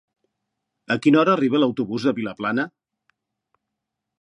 A quina hora arriba l'autobús de Vilaplana?